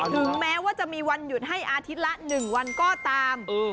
ถึงแม้ว่าจะมีวันหยุดให้อาทิตย์ละ๑วันก็ตาม